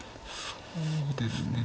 そうですね。